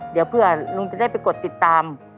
เดี๋ยวเผื่อลุงจะได้ไปกดติดตาม